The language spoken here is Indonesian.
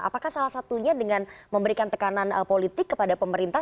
apakah salah satunya dengan memberikan tekanan politik kepada pemerintah